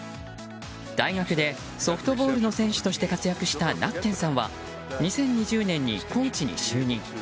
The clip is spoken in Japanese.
大学でソフトボールの選手として活躍したナッケンさんは２０２０年にコーチに就任。